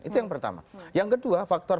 itu yang pertama yang kedua faktor